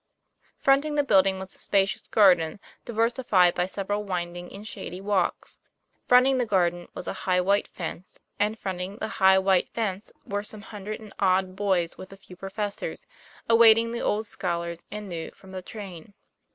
Fronting the building was a spacious garden, diversified by several winding and shady walks; fronting the garden was a high white fence, and fronting the high white fence were some hundred and odd boys, with a few professors, awaiting the old scholars and new from the train.